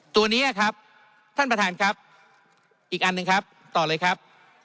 ตัวนี้ครับท่านประธานครับอีกอันหนึ่งครับต่อเลยครับ